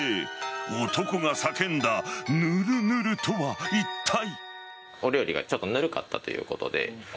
男が叫んだぬるぬるとはいったい。